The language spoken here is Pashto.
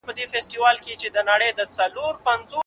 هغه به پخپله اوږه ډېري مڼې نه وړي.